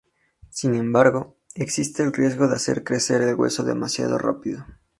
Sin embargo, existe el riesgo de hacer crecer el hueso demasiado rápido.